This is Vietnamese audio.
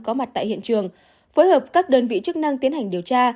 có mặt tại hiện trường phối hợp các đơn vị chức năng tiến hành điều tra